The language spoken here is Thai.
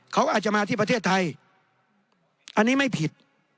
เขาอาจจะมาที่ประเทศไทยอันนี้ไม่ผิด